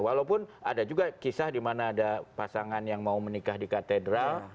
walaupun ada juga kisah di mana ada pasangan yang mau menikah di katedral